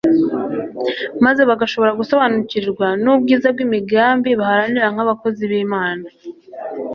maze bagashobora gusobanukirwa n'ubwiza bw'imigambi baharanira nk'abakozi b'Imana.